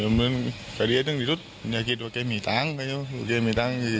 เห็นว่าเขาเก่งกู้ดูเลยเก่งเยอะเลยพ่อต้องทำรับของเนี่ย